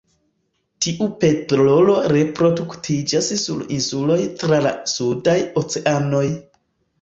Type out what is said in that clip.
Tiu petrelo reproduktiĝas sur insuloj tra la sudaj oceanoj.